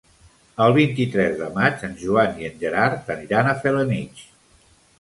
El vint-i-tres de maig en Joan i en Gerard aniran a Felanitx.